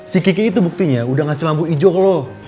si kiki itu buktinya udah ngasih lampu hijau loh